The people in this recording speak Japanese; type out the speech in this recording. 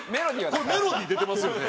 これメロディー出てますよね。